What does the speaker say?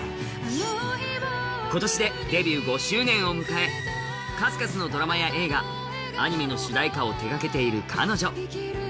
今年でデビュー５周年を迎え、数々のドラマやアニメの主題歌を手がけている彼女。